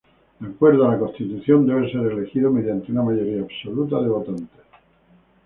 De acuerdo a la Constitución, debe ser elegido mediante una mayoría absoluta de votantes.